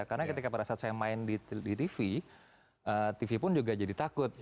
karena ketika pada saat saya main di tv tv pun juga jadi takut